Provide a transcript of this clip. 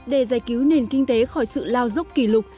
để giải cứu nền kinh tế khỏi sự lao dốc kỷ lục